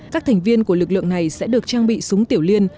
các thành viên của lực lượng này sẽ được trang bị súng tiểu liên